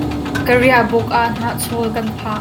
Ka riahbuk ah hnahchawl kan phah.